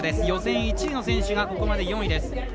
予選１位の選手がここまで４位です。